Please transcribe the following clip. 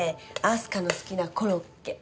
明日香の好きなコロッケ。